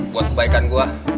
buat kebaikan gue